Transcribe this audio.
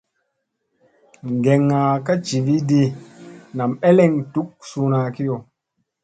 Geŋga ka jividi nam ɓeleŋ duk suuna kiyo.